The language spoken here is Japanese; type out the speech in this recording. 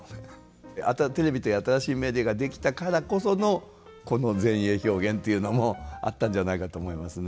あとはテレビという新しいメディアが出来たからこそのこの前衛表現というのもあったんじゃないかと思いますね。